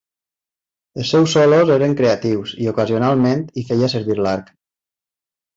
Els seus solos eren creatius i ocasionalment hi feia servir l'arc.